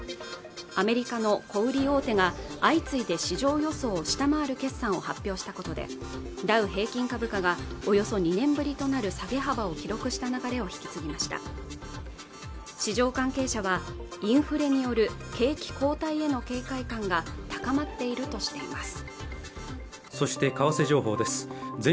アメリカの小売り大手が相次いで市場予想を下回る決算を発表したことでダウ平均株価がおよそ２年ぶりとなる下げ幅を記録した流れを引き継ぎました市場関係者はインフレによる景気後退への警戒感が高まっているとしています